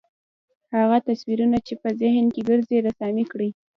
هغه تصویرونه چې په ذهن کې ګرځي رسامي کړئ.